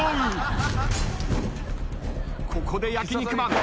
ここで焼肉マン。